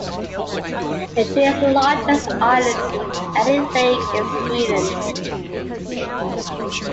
It is the largest island in any lake in Sweden.